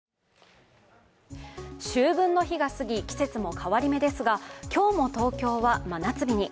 秋分の日がすぎ、季節も変わり目ですが今日も東京は真夏日に。